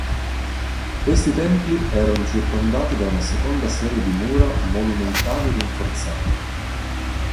Questi templi erano circondati da una seconda serie di mura monumentali rinforzate.